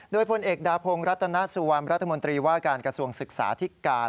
โดยพลเอกดาพงศ์รัตนสุวรรณรัฐมนตรีว่าการกระทรวงศึกษาที่การ